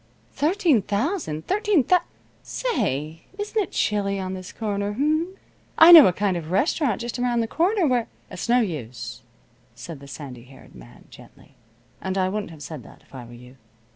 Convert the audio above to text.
"Thirteen thousand! Thirteen thous Say, isn't it chilly on this corner, h'm? I know a kind of a restaurant just around the corner where " "It's no use," said the sandy haired man, gently. "And I wouldn't have said that, if I were you.